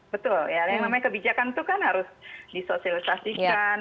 betul ya yang namanya kebijakan itu kan harus disosialisasikan